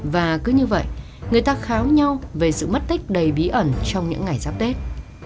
và cứ như vậy người ta kháo nhau về sự mất tích đầy bí ẩn trong những ngày giáp tết